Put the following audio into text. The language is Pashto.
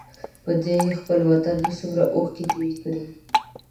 په دې خپل وطن مې څومره اوښکې توی کړې.